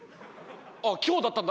今日だったんだ。